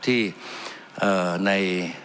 ที่ใน